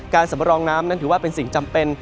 สำรองน้ำนั้นถือว่าเป็นสิ่งจำเป็น